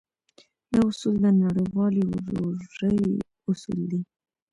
دا اصول د نړيوالې ورورۍ اصول دی.